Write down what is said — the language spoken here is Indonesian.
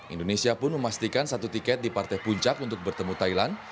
indonesia pun memastikan satu tiket di partai puncak untuk bertemu thailand